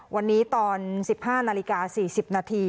วันนี้ตอน๑๕นาฬิกา๔๐นาที